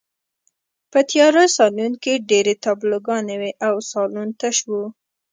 په تیاره سالون کې ډېرې تابلوګانې وې او سالون تش و